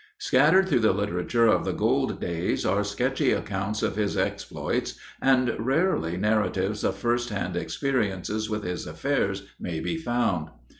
Scattered through the literature of the gold days are sketchy accounts of his exploits, and rarely narratives of firsthand experiences with his affairs may be found.